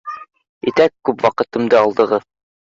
Итәк, күп ваҡытымды алдығыҙ!